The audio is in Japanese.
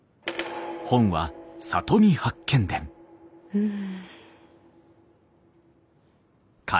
うん。